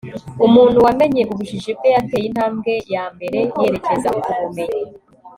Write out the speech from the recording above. umuntu wamenye ubujiji bwe yateye intambwe yambere yerekeza ku bumenyi